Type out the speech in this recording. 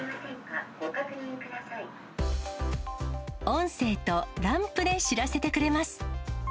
音声とランプで知らせてくれます。